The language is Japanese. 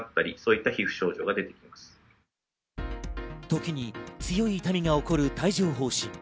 時に強い痛みが起こる帯状疱疹。